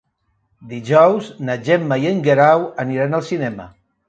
Dijous na Gemma i en Guerau aniran al cinema.